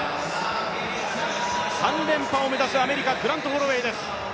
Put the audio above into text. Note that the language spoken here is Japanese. ３連覇を目指すアメリカグラント・ホロウェイです。